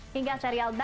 hingga serial dive